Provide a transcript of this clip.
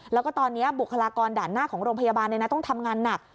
แล้วก็ตอนนี้บุคลากรด่านหน้าของโรงพยาบาลต้องทำงานหนัก